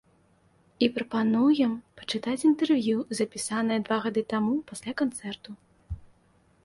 І прапануем пачытаць інтэрв'ю запісанае два гады таму, пасля канцэрту.